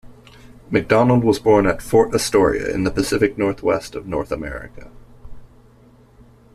MacDonald was born at Fort Astoria, in the Pacific Northwest of North America.